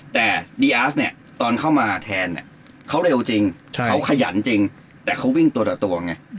แต่ดีอาร์สเนี่ยตอนเข้ามาแทนเนี่ยเขาเร็วจริงเขาขยันจริงแต่เขาวิ่งตัวต่อตัวไง